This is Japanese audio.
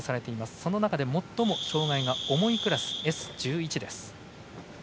その中で最も障がいが重いクラスＳ１１です。